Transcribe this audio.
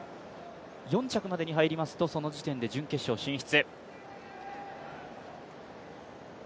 ４着まで入りますと、その時点で準決勝進出。